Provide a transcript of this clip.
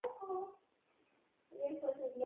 Ha hecho música para muchos ballets y películas.